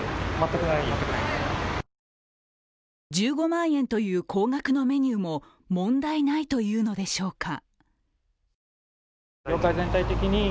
１５万円という高額のメニューも問題ないというのでしょうか。